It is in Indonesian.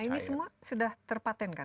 nah ini semua sudah terpatent kan